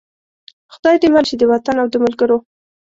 خدای دې مل شي د وطن او د ملګرو.